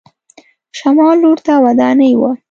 شمال لور ته ودانۍ وه.